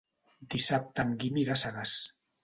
Dissabte en Guim irà a Sagàs.